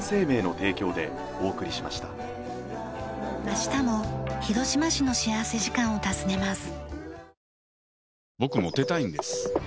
明日も広島市の幸福時間を訪ねます。